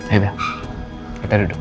ayo bel kita duduk